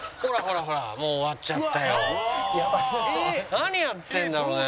何やってるんだろうね？